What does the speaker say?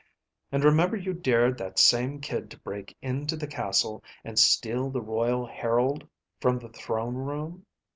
And remember you dared that same kid to break into the castle and steal the royal Herald from the throne room?